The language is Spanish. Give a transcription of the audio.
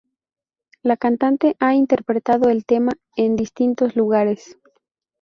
La cantante ha interpretado el tema en distintos lugares.